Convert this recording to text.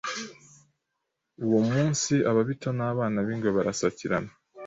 Uwo munsi Ababito n’Abana b’Ingwe barasakirana